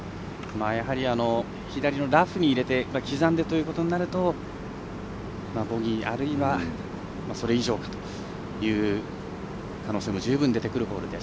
やはり、左のラフに入れて刻んでというところでいうとボギーあるいはそれ以上かという可能性も十分出てくるホールです。